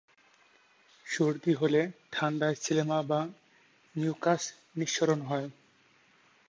সর্দি হলে ঠান্ডায় শ্লেষ্মা বা মিউকাস নিঃসরণ।